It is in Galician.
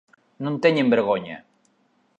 Non teñen vergoña!